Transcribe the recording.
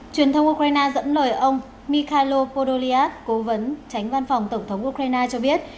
truyền thông ukraine dẫn lời ông mikhail podolyar cố vấn tránh văn phòng tổng thống ukraine cho biết